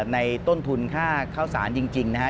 ในต้นทุนค่าข้าวสารจริงนะฮะ